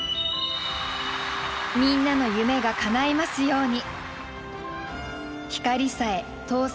みんなの夢がかないますように。